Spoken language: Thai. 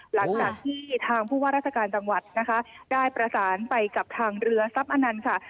หลังจากที่ทางผู้ว่าราชการจังหวัดนะคะได้ประสานไปกับทางเรือทรัพย์อนันต์ค่ะ